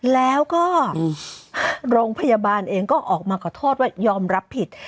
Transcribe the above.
แล้วก็โรงพยาบาลเองก็ออกมาขอโทษว่ายอมรับผิด